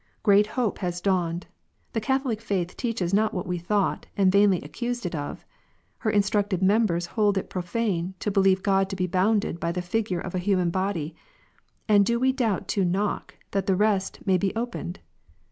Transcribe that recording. Great hope has dawned ; the Catholic Faith teaches not what we thought, and vainly accused it of ; her instructed members hold it pro fane, to believe God to be bounded by the figure of a human body : and do we doubt to * knock,' that the rest ' may be opened